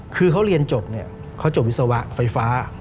คือเขาเรียนจบเนี่ยเขาจบวิศวะไฟฟ้า